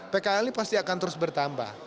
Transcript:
pkl ini pasti akan terus bertambah